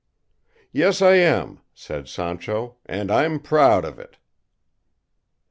"Yes, I am," said Sancho; "and I'm proud of it."